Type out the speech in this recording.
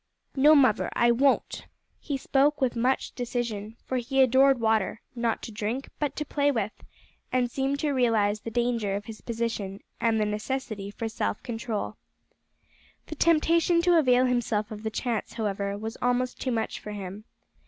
"No, muvver, I won't." He spoke with much decision, for he adored water not to drink but to play with and seemed to realise the danger of his position, and the necessity for self control. The temptation to avail himself of the chance, however, was almost too much for him.